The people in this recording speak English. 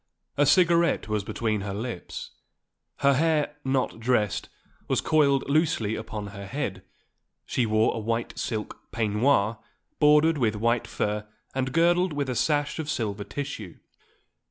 A cigarette was between her lips; her hair, not dressed, was coiled loosely upon her head; she wore a white silk peignoir bordered with white fur and girdled with a sash of silver tissue.